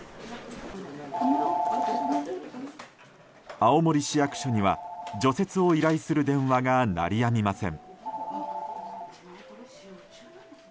青森市役所には、除雪を依頼する電話が鳴りやみません。